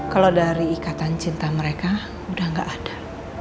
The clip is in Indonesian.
kalau dari ikatan cinta mereka udah gak ada